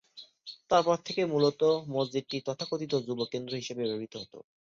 তারপর থেকে মূল মসজিদটি তথাকথিত যুব কেন্দ্র হিসেবে ব্যবহৃত হতো।